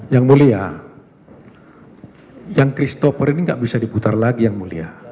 yang mulia yang christopher ini nggak bisa diputar lagi yang mulia